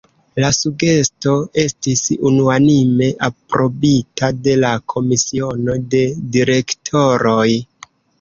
La sugesto estis unuanime aprobita de la Komisiono de direktoroj.